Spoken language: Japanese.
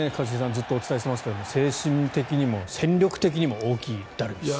ずっとお伝えしていますが精神的にも戦力的にも大きいダルビッシュさん。